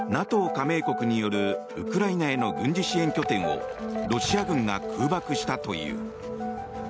加盟国によるウクライナへの軍事支援拠点をロシア軍が空爆したという。